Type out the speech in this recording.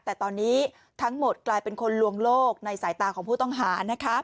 แต่ตอนนี้ทั้งหมดกลายเป็นคนลวงโลกในสายตาของผู้ต้องหา